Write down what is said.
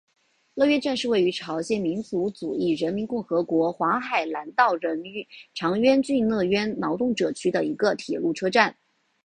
乐渊站是位于朝鲜民主主义人民共和国黄海南道长渊郡乐渊劳动者区的一个铁路车站。